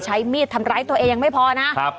ใช้มีดทำร้ายตัวเองยังไม่พอนะครับ